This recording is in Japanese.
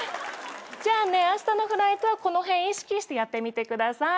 じゃあねあしたのフライトはこの辺意識してやってみてください。